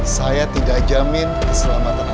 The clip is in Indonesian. saya tidak jamin keselamatan anak kamu